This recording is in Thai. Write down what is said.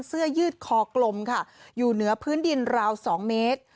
เสื้อยืดคอกลมค่ะอยู่เหนือพื้นดินราว๒เมตร